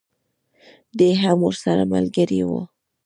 دی هم ورسره ملګری وو.